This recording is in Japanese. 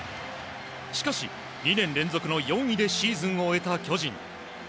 しかし、２年連続の４位でシーズンを終えた巨人。